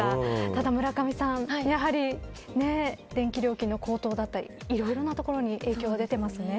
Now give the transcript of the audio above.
ただ、村上さんやはり電気料金の高騰だったりいろいろなところに影響が出てますね。